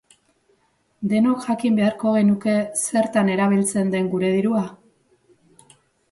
Denok jakin beharko genuke zertan erabiltzen den gure dirua?